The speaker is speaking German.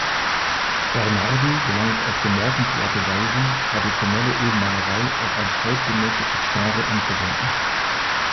Bernardi gelang es auf bemerkenswerte Weise, traditionelle Ölmalerei auf ein zeitgenössisches Genre anzuwenden.